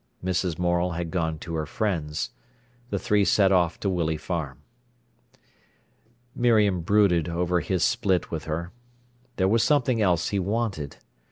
Mrs. Morel had gone to her friends'. The three set off to Willey Farm. Miriam brooded over his split with her. There was something else he wanted.